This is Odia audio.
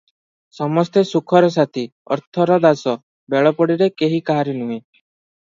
ସମସ୍ତେ ସୁଖର ସାଥୀ, ଅର୍ଥର ଦାସ, ବେଳ ପଡ଼ିଲେ କେହି କାହାରି ନୁହେଁ ।